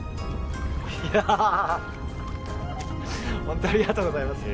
いやー本当にありがとうございます。